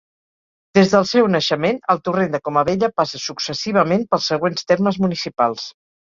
Des del seu naixement, el Torrent de Comabella passa successivament pels següents termes municipals.